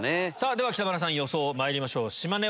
では北村さん予想まいりましょう。